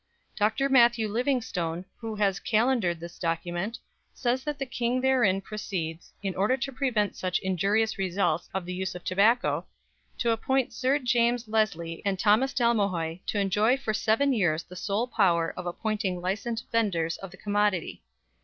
Mr. Matthew Livingstone, who has calendared this document, says that the King therein proceeds, in order to prevent such injurious results of the use of tobacco, to appoint Sir James Leslie and Thomas Dalmahoy to enjoy for seven years the sole power of appointing licensed vendors of the commodity.